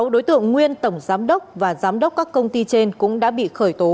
sáu đối tượng nguyên tổng giám đốc và giám đốc các công ty trên cũng đã bị khởi tố